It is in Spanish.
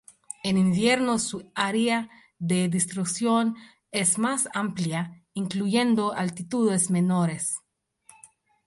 En invierno, su área de distribución es más amplia, incluyendo altitudes menores.